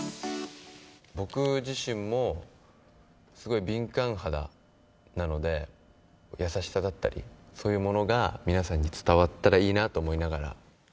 僕自身もすごい敏感肌なので、優しさだったり、そういうものが皆さんに伝わったらいいなと思いながら。